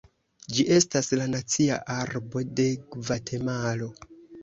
Ĝi estas la nacia arbo de Gvatemalo.